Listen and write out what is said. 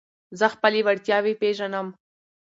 زه خپلي وړتیاوي پېژنم.